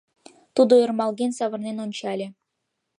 Тудо ӧрмалген савырнен ончале.